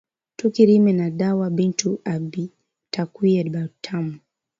Tuki rime na dawa bintu abitakuya butamu